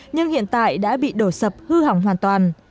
nhưng hiện tại đã bị đổ sập hư hỏng hoàn toàn